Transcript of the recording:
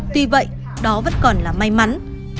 tuy vậy đó vẫn còn là may mắn